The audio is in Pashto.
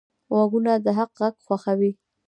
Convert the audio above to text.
غوږونه د حق غږ خوښوي